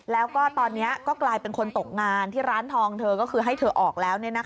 แล้วก็ตอนนี้ก็กลายเป็นคนตกงานที่ร้านทองเธอก็คือให้เธอออกแล้ว